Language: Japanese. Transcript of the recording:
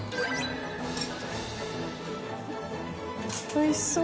おいしそう。